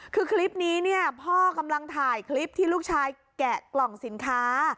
คือคลิปนี้เนี่ยพ่อกำลังถ่ายคลิปที่ลูกชายแกะกล่องสินค้า